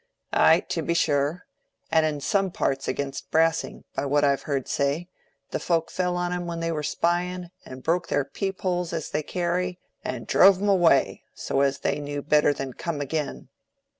"Ay, to be sure. And in some parts against Brassing, by what I've heard say, the folks fell on 'em when they were spying, and broke their peep holes as they carry, and drove 'em away, so as they knew better than come again."